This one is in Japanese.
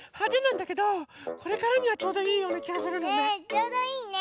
ちょうどいいね。